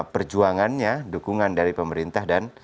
perjuangannya dukungan dari pemerintah dan